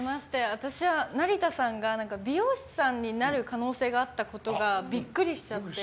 私は成田さんが美容師さんになる可能性があったことがビックリしちゃって。